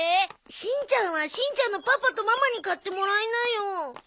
しんちゃんはしんちゃんのパパとママに買ってもらいなよ。